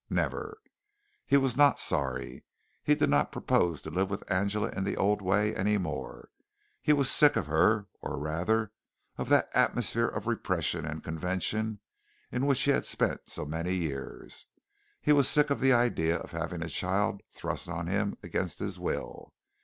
Never. He was not sorry. He did not propose to live with Angela in the old way any more. He was sick of her, or rather of that atmosphere of repression and convention in which he had spent so many years. He was sick of the idea of having a child thrust on him against his will.